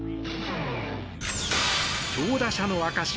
強打者の証し